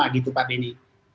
begitu pak beni